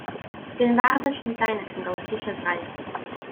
Bu'n fardd yn Llundain ac yn golygu llyfrau.